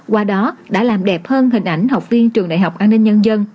qua đó đã làm đẹp hơn hình ảnh học viên trường đại học an ninh nhân dân